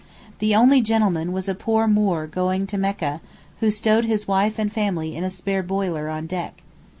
The only gentleman was a poor Moor going to Mecca (who stowed his wife and family in a spare boiler on deck).